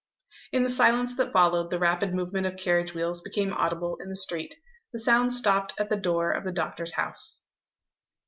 In the silence that followed, the rapid movement of carriage wheels became audible in the street. The sound stopped at the door of the doctor's house.